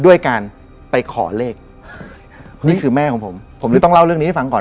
ด้วยการไปขอเลขนี่คือแม่ของผมผมเลยต้องเล่าเรื่องนี้ให้ฟังก่อน